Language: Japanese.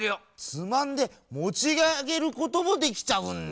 つまんでもちあげることもできちゃうんだ。